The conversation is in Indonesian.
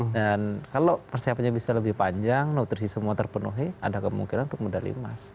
dan kalau persiapannya bisa lebih panjang nutrisi semua terpenuhi ada kemungkinan untuk medali emas